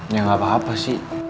ya gak apa apa sih